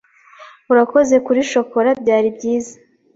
Urakoze kuri shokora. Byari byiza.